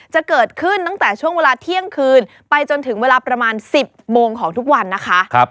จะเกิดขึ้นตั้งแต่ช่วงเวลาเที่ยงคืนไปจนถึงเวลาประมาณ๑๐โมงของทุกวันนะคะ